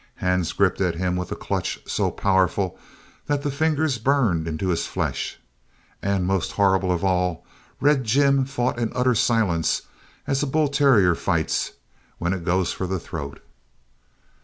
Hands gripped at him with a clutch so powerful that the fingers burned into his flesh. And, most horrible of all, Red Jim fought in utter silence, as a bull terrier fights when it goes for the throat.